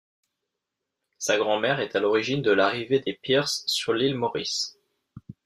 Sa grand-mère est à l’origine de l’arrivée des Pearce sur l’Ile Morris.